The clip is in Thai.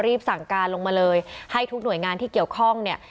สั่งการลงมาเลยให้ทุกหน่วยงานที่เกี่ยวข้องเนี่ย